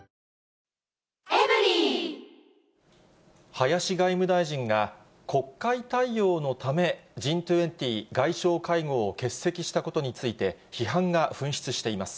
林外務大臣が、国会対応のため、Ｇ２０外相会合を欠席したことについて、批判が噴出しています。